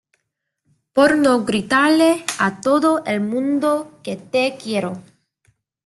por no gritarle a todo el mundo que te quiero